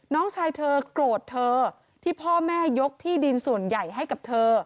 น้องชายเธอโกรธเธอที่พ่อแม่ยกที่ดินส่วนใหญ่ให้กับเธอ